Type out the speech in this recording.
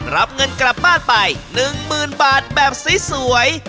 รับเงินกลับบ้านไป๑๐๐๐บาทแบบสวย